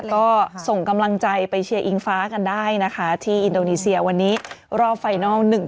ก็ส่งกำลังใจไปเชียร์อิงฟ้ากันได้นะคะที่อินโดนีเซียวันนี้รอบไฟนัล